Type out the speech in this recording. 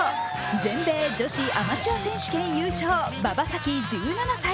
全米女子アマチュア選手権優勝、馬場咲希１７歳。